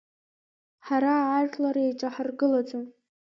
Ҳара ажәлар еиҿаҳаргылаӡом.